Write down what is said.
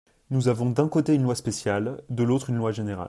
Nous avons d’un côté une loi spéciale, de l’autre une loi générale.